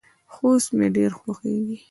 خوست مې ډیر خوښیږي.